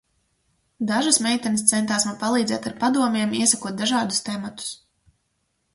Dažas meitenes centās man palīdzēt ar padomiem, iesakot dažādus tematus.